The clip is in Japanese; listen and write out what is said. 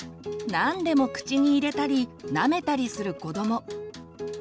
何でも口に入れたりなめたりする子ども。